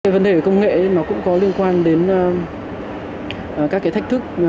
vấn đề về công nghệ nó cũng có liên quan đến các cái thách thức